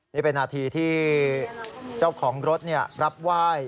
นี่เป็นนาทีที่เจ้าของรถรับไหว้